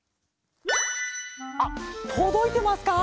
あっとどいてますか？